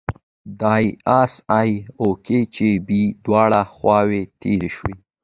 د ای اس ای او کي جی بي دواړه خواوې تیزې شوې.